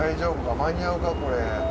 間に合うかこれ？